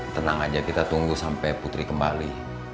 tenang aja kita tunggu sampai putri kembali